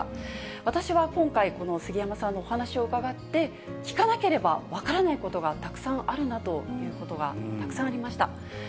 私は今回、この杉山さんのお話を伺って、聞かなければ分からないことがたくさんあるなということが、たくさんありました。